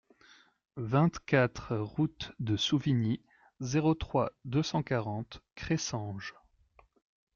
vingt-quatre route de Souvigny, zéro trois, deux cent quarante, Cressanges